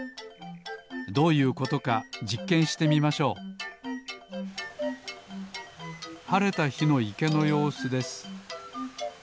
どういうことかじっけんしてみましょうはれたひのいけのようすです